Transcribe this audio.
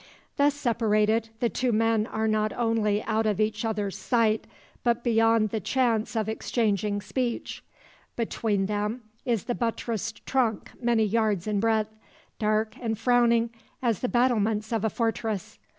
Thus separated, the two men are not only out of each other's sight, but beyond the chance of exchanging speech. Between them is the buttressed trunk many yards in breadth, dark and frowning as the battlements of a fortress.